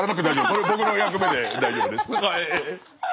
これ僕の役目で大丈夫ですええ。